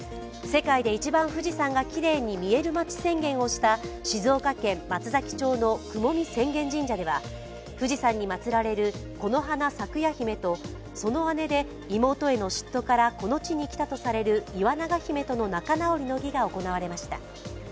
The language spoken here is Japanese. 世界でいちばん富士山がきれいに見える町宣言をした静岡県松崎町の雲見浅間神社では富士山にまつられる木花開耶姫とその姉で、妹への嫉妬からこの地に来たとされる磐長姫との仲直りの儀が行われました。